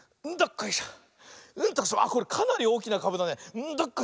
あっこれかなりおおきなかぶだね。